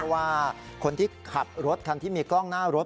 ว่าคนที่ขับรถคันที่มีกล้องหน้ารถ